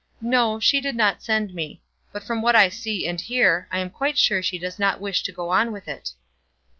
"No; she didn't send me. But from what I see and hear, I am quite sure she does not wish to go on with it."